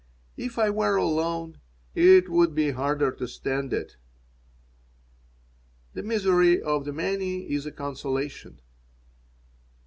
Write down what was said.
If I were alone it would be harder to stand it. 'The misery of the many is a consolation.'"